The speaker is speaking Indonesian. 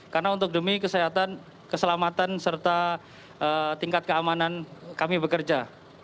karena untuk demi kesehatan keselamatan serta tingkat keamanan kami bekerja